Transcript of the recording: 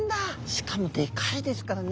しかもでかいですからね